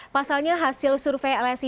pasalnya hasil survei lsi